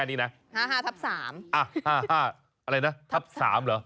อะไรนะทับ๓หรอ